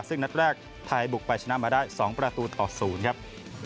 ซึ่งนัดแรกไทยบุกไปชนะมาได้๒ประตูต่อ๐ครับ